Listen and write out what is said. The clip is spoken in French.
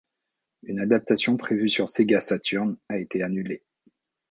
Une adaptation prévue sur Sega Saturn a été annulée.